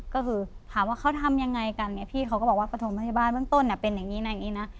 ก็คือถามว่าเขาทำยังไงกันเนี่ยพี่เขาก็บอกว่าประถมพยาบาลเบื้องต้นเป็นอย่างนี้นะอย่างนี้นะ